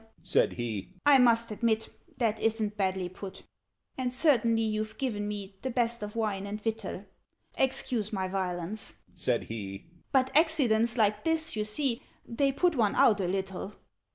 said he. "I must admit That isn't badly put. "And certainly you've given me The best of wine and victual Excuse my violence," said he, "But accidents like this, you see, They put one out a little.